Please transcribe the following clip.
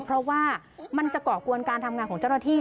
เพราะว่ามันจะก่อกวนการทำงานของเจ้าหน้าที่